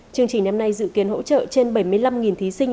chương trình năm nay dự kiến hỗ trợ trên bảy mươi năm thí sinh